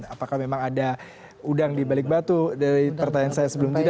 apakah memang ada udang di balik batu dari pertanyaan saya sebelum jeda